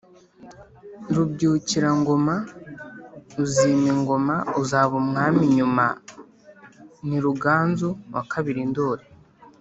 rubyukirangoma: uzima ingoma, uzaba umwami nyuma (ni ruganzu ii ndoli)